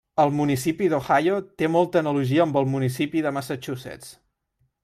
El municipi d'Ohio té molta analogia amb el municipi de Massachusetts.